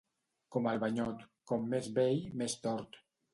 Com el banyot, com més vell, més tort.